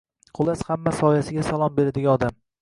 Xullas, hamma soyasiga salom beradigan odam!